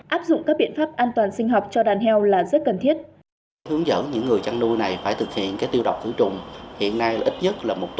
áp dụng các biện pháp an toàn sinh học cho đàn heo là rất cần thiết